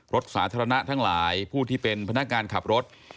รถสาธารณะทั้งหลายผู้ที่เป็นพนักงานขับรถ